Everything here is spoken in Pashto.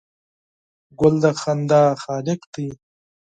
ګل د موسکا خالق دی.